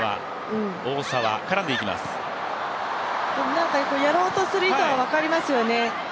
何かやろうとする意図は分かりますよね。